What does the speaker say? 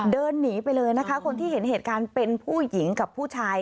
เดินหนีไปเลยนะคะคนที่เห็นเหตุการณ์เป็นผู้หญิงกับผู้ชาย